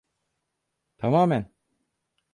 Tamamen.